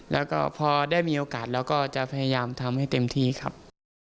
แล้วก็พอได้มีโอกาสแล้วก็จะพยายามทำให้เต็มที่ครับ